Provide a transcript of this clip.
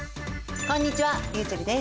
こんにちはりゅうちぇるです。